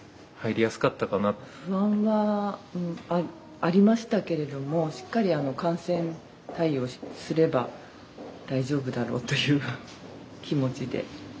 不安はありましたけれどもしっかり感染対応すれば大丈夫だろうという気持ちではい。